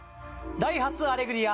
『ダイハツアレグリア』